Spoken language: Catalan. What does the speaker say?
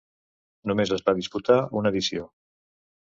Només es va disputar una edició.